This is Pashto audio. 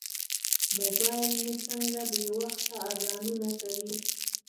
موبایل مې څنګه بې وخته اذانونه کوي.